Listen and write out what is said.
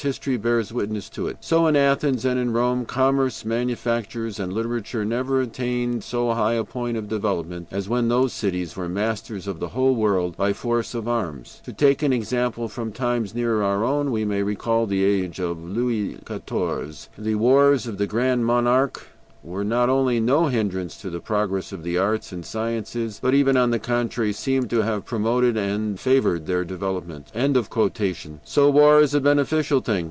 History bears witness to it. So in Athens and in Rome, commerce, manufactures, and literature never attained so high a point of development as when those cities were masters of the whole world by force of arms. To take an example from times nearer our own, we may recall the age of Louis XIV. The wars of the Grand Monarque were not only no hindrance to the progress of the arts and sciences, but even, on the contrary, seem to have promoted and favored their development." So war is a beneficial thing!